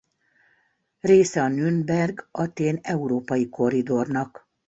Része a Nürnberg-Athén európai korridornak.